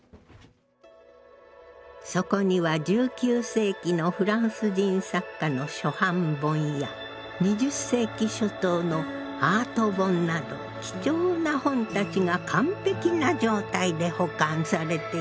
そこには１９世紀のフランス人作家の初版本や２０世紀初頭のアート本など貴重な本たちが完璧な状態で保管されているの。